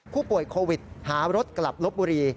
ผู้ป่วยโควิดหารถกลับลบบุรี